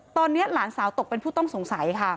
ตอนนี้หลานสาวตกเป็นผู้ต้องสงสัยค่ะ